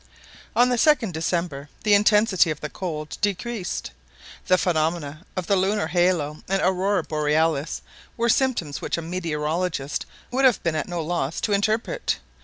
On the 2nd December; the intensity of the cold decreased. The phenomena of the lunar halo and Aurora Borealis were symptoms which a meteorologist would have been at no loss to interpret.